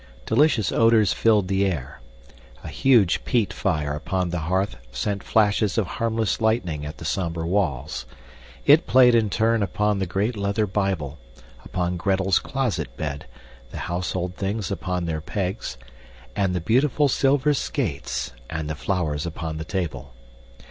Delicious odors filled the air. A huge peat fire upon the hearth sent flashes of harmless lightning at the somber walls. It played in turn upon the great leather Bible, upon Gretel's closet bed, the household things upon their pegs, and the beautiful silver skates and the flowers upon the table.